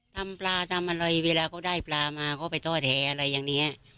ทำปลาทำอะไรเวลาเขาได้ปลามาเขาไปท้อแท้อะไรอย่างนี้